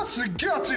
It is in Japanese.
熱い！